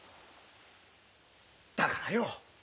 だからよ。